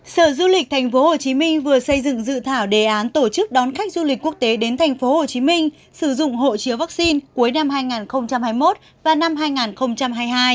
sở du lịch tp hcm vừa xây dựng dự thảo đề án tổ chức đón khách du lịch quốc tế đến tp hcm sử dụng hộ chiếu vaccine cuối năm hai nghìn hai mươi một và năm hai nghìn hai mươi hai